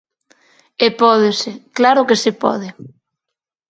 E pódese, claro que se pode.